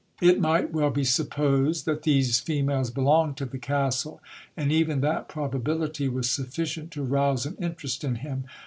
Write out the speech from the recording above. It might well be supposed that these females belonged to the castle ; and even that probability was sufficient to rouse an interest in him.